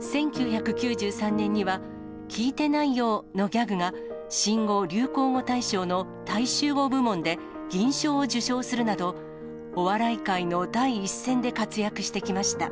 １９９３年には、聞いてないよォのギャグが、新語・流行語大賞の大衆語部門で、銀賞を受賞するなど、お笑い界の第一線で活躍してきました。